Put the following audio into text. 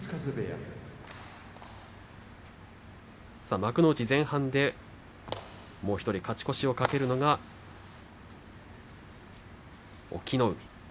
幕内前半でもう１人勝ち越しを懸けるのが隠岐の海。